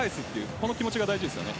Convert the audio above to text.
この気持ちが大事です。